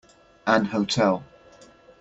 An hotel.